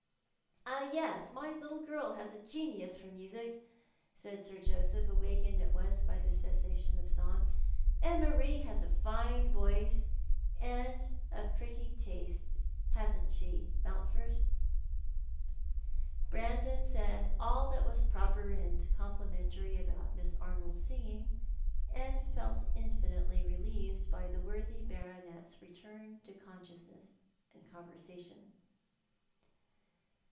" Yes ; my little girl has a genius for music," said Sir Joseph, awakened at once l)y the cessation of song. " And Marie has a fine voice and a pretty taste, hasn't she, Mountford?" Brandon said all that was proper and complimentary about Miss Arnold's singing, and felt infinitely relieved by the worthy Baronet's return to consciousness and conversation.